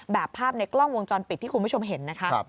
ภาพในกล้องวงจรปิดที่คุณผู้ชมเห็นนะคะ